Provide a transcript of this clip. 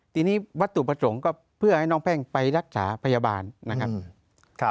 ทีนี้วัตถุประสงค์ก็เพื่อให้น้องแพ่งไปรักษาพยาบาลนะครับ